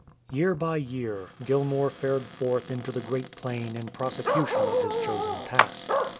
Year by year Gilmour fared forth into the Great Plain in prosecution of his chosen task.